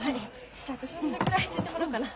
じゃあ私もそれぐらいついでもらおっかな。